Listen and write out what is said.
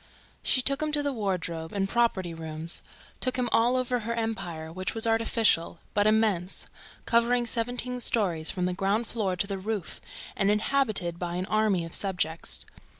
She took him to the wardrobe and property rooms, took him all over her empire, which was artificial, but immense, covering seventeen stories from the ground floor to the roof and inhabited by an army of subjects.